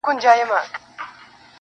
• او پای يې خلاص پاتې کيږي تل..